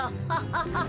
ハハハハ。